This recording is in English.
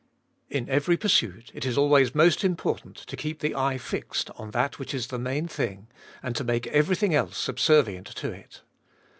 IN every pursuit it is always most important to keep the eye fixed on that which is the main thing, and to make everything else subservient to it.